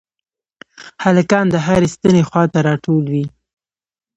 هلکان د هرې ستنې خواته راټول وي.